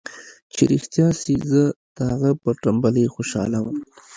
چې رښتيا سي زه د هغه پر ټمبلۍ خوشاله وم.